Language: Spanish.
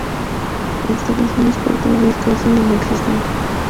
Instalaciones portuarias casi inexistentes.